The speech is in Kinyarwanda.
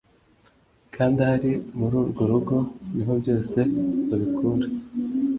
kandi ahari muri urwo rugo niho byose ubikura